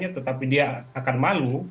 tetapi dia akan malu